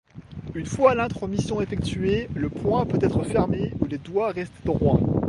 Une fois l'intromission effectuée, le poing peut être fermé ou les doigts rester droits.